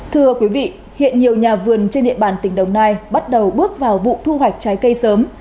thưa quý vị hiện nhiều nhà vườn trên địa bàn tỉnh đồng nai bắt đầu bước vào vụ thu hoạch trái cây sớm